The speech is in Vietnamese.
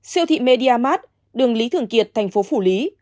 siêu thị media mart đường lý thường kiệt thành phố phủ lý